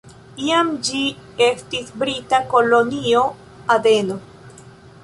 Iam ĝi estis brita Kolonio Adeno.